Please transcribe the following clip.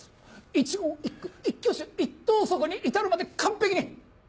一言一句一挙手一投足に至るまで完璧に！